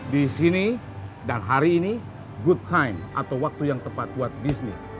di sini dan hari ini good time atau waktu yang tepat buat bisnis